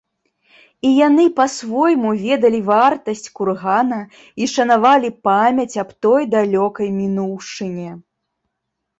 І яны па-свойму ведалі вартасць кургана і шанавалі памяць аб той далёкай мінуўшчыне.